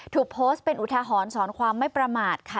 ถูกโพสต์เป็นอุทหรณ์สอนความไม่ประมาทค่ะ